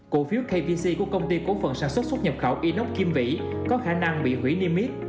cổ phiếu kvc của công ty cổ phần sản xuất xuất nhập khẩu inox kim vĩ có khả năng bị hủy niêm yết